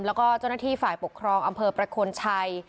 แล้วก็เจ้าหน้าที่ฝ่ายปกครองอำเภอประโคนชัย